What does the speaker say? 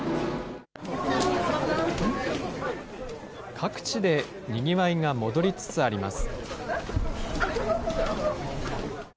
各地でにぎわいが戻りつつあります。